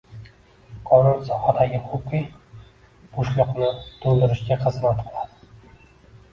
Qonun sohadagi huquqiy bo‘shliqni to‘ldirishga xizmat qiladi